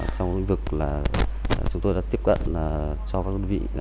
trong vực chúng tôi đã tiếp cận cho các quân vị